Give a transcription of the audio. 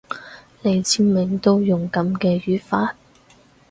你簽名都用噉嘅語法